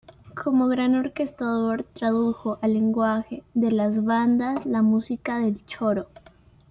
Como gran orquestador tradujo al lenguaje de las bandas la música del choro.